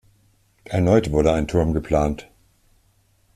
Erneut wurde ein Turm geplant.